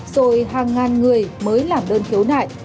rồi hàng ngàn người mới làm đơn khiếu nại